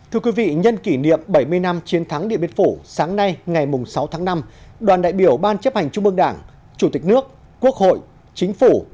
thưa quý vị nhân kỷ niệm bảy mươi năm chiến thắng điện biên phủ sáng nay ngày sáu tháng năm đoàn đại biểu ban chấp hành trung ương đảng chủ tịch nước quốc hội chính phủ